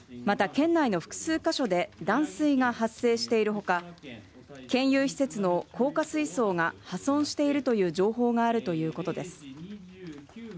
また県内の複数箇所で断水が発生している他県有施設の高架水槽が破損している情報があるということです。